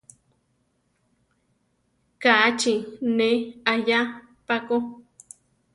Ka chi ne aʼyá pa ko.